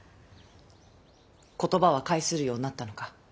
言葉は解するようになったのか？